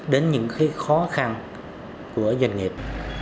đến những khó khăn của doanh nghiệp